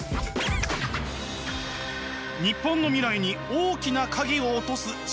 日本の未来に大きな影を落とす少子化！